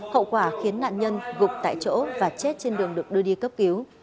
hậu quả khiến nạn nhân gục tại chỗ và chết trên đường được đưa đi cấp cứu